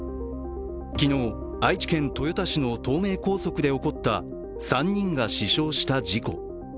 昨日、愛知県豊田市の東名高速で起こった、３人が死傷した事故。